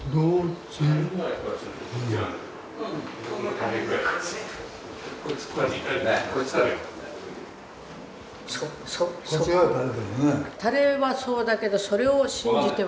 垂れはそうだけどそれを信じては。